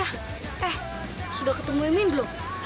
eh sudah ketemu emin belum